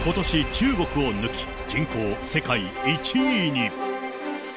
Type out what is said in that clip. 中国を抜き、人口世界１位に。